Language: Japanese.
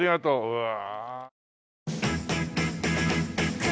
うわ。